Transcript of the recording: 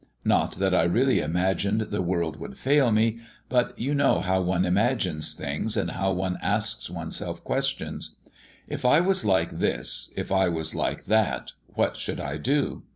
Not that I really imagined the world would fail me, but you know how one imagines things, how one asks oneself questions. If I was like this, if I was like that, what should I do?